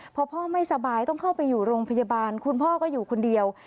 พอพ่อไม่สบายต้องเข้าไปอยู่โรงพยาบาลคุณพ่อก็อยู่คนเดียว